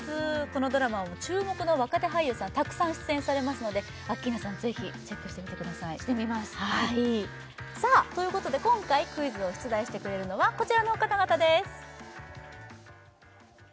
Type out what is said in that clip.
このドラマはもう注目の若手俳優さんたくさん出演されますのでアッキーナさんぜひチェックしてみてくださいしてみますはいさあということで今回クイズを出題してくれるのはこちらの方々です